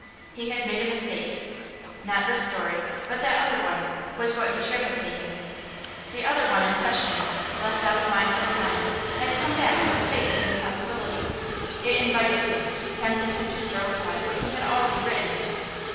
He had made a mistake. Not this story, but that other one, was what he should have taken. The other one in question, left out of mind for a time, had come back with a face of new possibility; it invited him, tempted him to throw aside what he had already written.